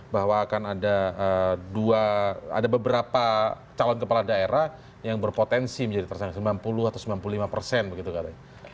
bahwa akan ada dua ada beberapa calon kepala daerah yang berpotensi menjadi tersangka sembilan puluh atau sembilan puluh lima persen begitu katanya